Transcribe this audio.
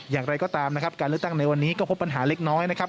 อย่างไรก็ตามนะครับการเลือกตั้งในวันนี้ก็พบปัญหาเล็กน้อยนะครับ